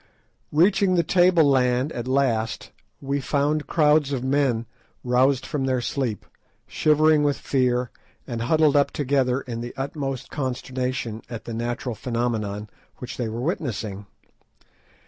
Reaching the table land at last, we found crowds of men roused from their sleep, shivering with fear and huddled up together in the utmost consternation at the natural phenomenon which they were witnessing.